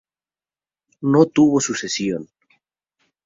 No tuvo sucesión.